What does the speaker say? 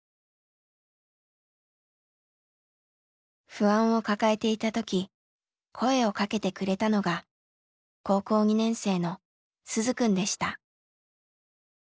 不安を抱えていた時声をかけてくれたのが高校２年生の鈴くんでした。